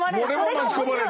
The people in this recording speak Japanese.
巻き込まれる。